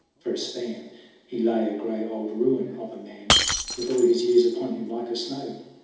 For a span He lay, a gray old ruin of a man With all his years upon him like a snow.